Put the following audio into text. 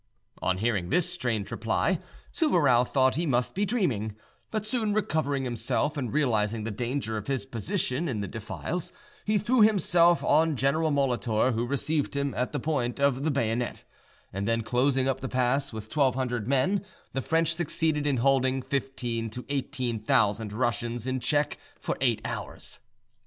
On hearing this strange reply, Souvarow thought that he must be dreaming, but soon recovering himself and realising the danger of his position in the defiles, he threw himself on General Molitor, who received him at the point of the bayonet, and then closing up the pass with twelve hundred men, the French succeeded in holding fifteen to eighteen thousand Russians in check for eight hours.